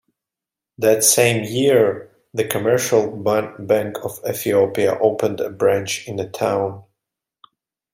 That same year, the Commercial Bank of Ethiopia opened a branch in the town.